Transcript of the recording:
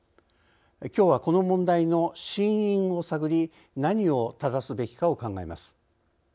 きょうは、この問題の真因を探り何を正すべきかを考えます。